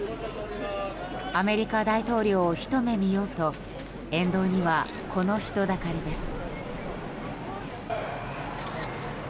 アメリカ大統領をひと目見ようと沿道には、この人だかりです。